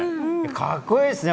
かっこいいですね。